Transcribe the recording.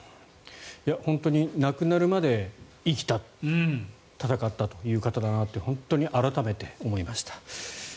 本当に亡くなるまで生きた、闘ったという方だなと本当に改めて思いました。